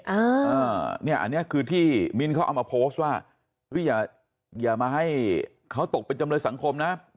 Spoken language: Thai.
อันนี้คือที่มิ้นเขาเอามาโพสต์ว่าอย่ามาให้เขาตกเป็นจำเลยสังคมนะ